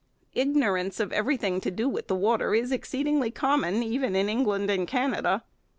Ignorance of everything to do with the water is exceedingly common, even in England and Canada.